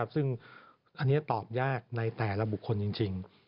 ซึ่งอันนี้ตอบยากในแต่ละบุคคลจริง